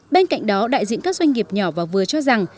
bên cạnh đó đại diện các doanh nghiệp nhỏ và vừa cho rằng